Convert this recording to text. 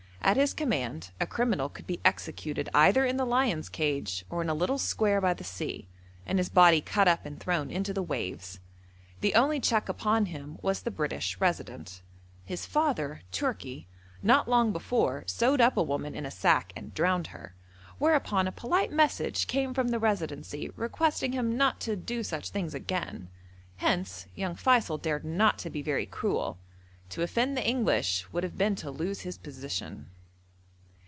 At his command a criminal could be executed either in the lion's cage or in a little square by the sea, and his body cut up and thrown into the waves. The only check upon him was the British Resident. His father, Tourki, not long before sewed up a woman in a sack and drowned her, whereupon a polite message came from the Residency requesting him not to do such things again. Hence young Feysul dared not be very cruel to offend the English would have been to lose his position.